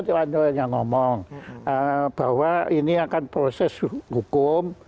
tadi anda yang ngomong bahwa ini akan proses hukum